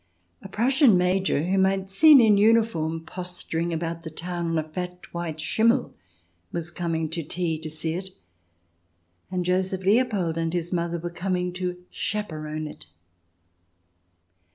A Prussian Major whom I had seen in uniform posturing about the town on a fat white Schimmel, was coming to tea to see it. And Joseph Leopold and his mother were coming to chaperone it.